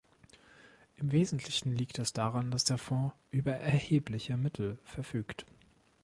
Im Wesentlichen liegt es daran, dass der Fonds über erhebliche Mittel verfügt.